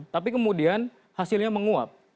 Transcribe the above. tapi kemudian hasilnya menguap